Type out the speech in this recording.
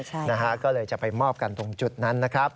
ใช่นะฮะก็เลยจะไปมอบกันตรงจุดนั้นนะครับ